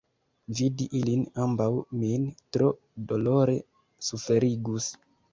Vidi ilin ambaŭ min tro dolore suferigus.